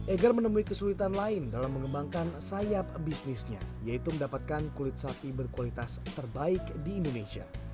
egar menemui kesulitan lain dalam mengembangkan sayap bisnisnya yaitu mendapatkan kulit sapi berkualitas terbaik di indonesia